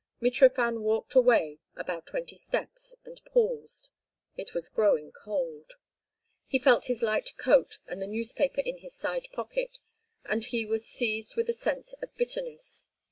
Mitrofan walked away about twenty steps and paused. It was growing cold. He felt his light coat and the newspaper in his side pocket—and he was seized with a sense of bitterness.